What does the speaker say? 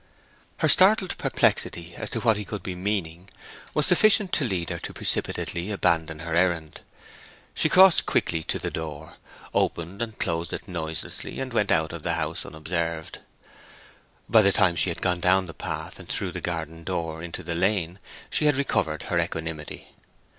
Her startled perplexity as to what he could be meaning was sufficient to lead her to precipitately abandon her errand. She crossed quickly to the door, opened and closed it noiselessly, and went out of the house unobserved. By the time that she had gone down the path and through the garden door into the lane she had recovered her equanimity.